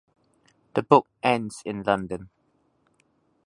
The book ends in London.